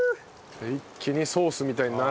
一気にソースみたいになる。